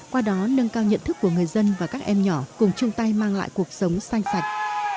qua đó nâng cao nhận thức của người dân và các em nhỏ cùng chung tay mang lại cuộc sống xanh sạch